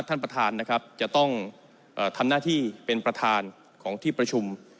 ท่านประธานนะครับจะต้องทำหน้าที่เป็นประธานของที่ประชุม